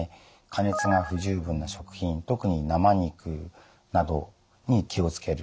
加熱が不十分な食品特に生肉などに気を付ける。